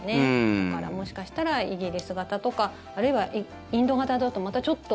だから、もしかしたらイギリス型とかあるいはインド型だとまたちょっと。